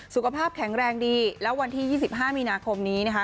สุขภาพแข็งแรงดีแล้ววันที่๒๕มีนาคมนี้นะคะ